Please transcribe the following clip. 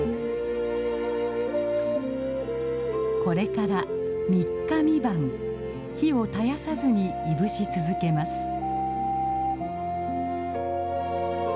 これから３日３晩火を絶やさずにいぶし続けます。